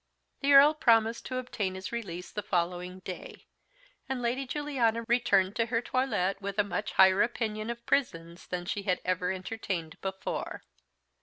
The Earl promised to obtain his release the following day, and Lady Juliana returned to her toilet with a much higher opinion of prisons than she had ever entertained before.